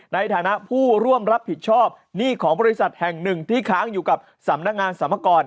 ในฐานะผู้ร่วมรับผิดชอบหนี้ของบริษัทแห่งหนึ่งที่ค้างอยู่กับสำนักงานสรรพากร